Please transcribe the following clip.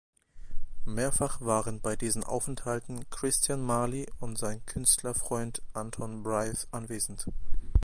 Mehrfach waren bei diesen Aufenthalten Christian Mali und sein Künstlerfreund Anton Braith anwesend.